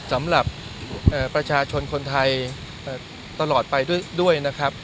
สำหรับประชาชนทลอดไปด้วย